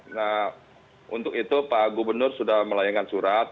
nah untuk itu pak gubernur sudah melayangkan surat